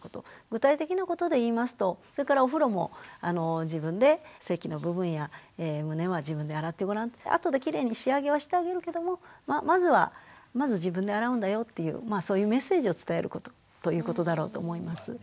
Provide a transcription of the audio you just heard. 具体的なことで言いますとお風呂も自分で性器の部分や胸は自分で洗ってごらんあとでキレイに仕上げはしてあげるけどもまずはまず自分で洗うんだよっていうそういうメッセージを伝えることということだろうと思います。